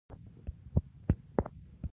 افغانستان په خاوره غني دی.